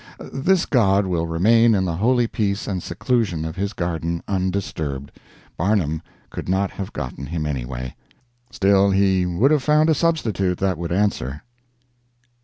This god will remain in the holy peace and seclusion of his garden, undisturbed. Barnum could not have gotten him, anyway. Still, he would have found a substitute that would answer.